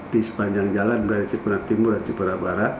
di sepanjang jalan dari ciperna timur dan ciperna barat